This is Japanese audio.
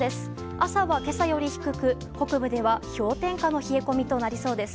朝は、今朝より低く北部では氷点下の冷え込みとなりそうです。